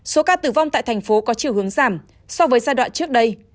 số ca tử vong tại thành phố có chiều hướng giảm so với giai đoạn trước đây